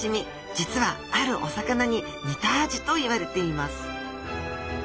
実はあるお魚に似た味といわれています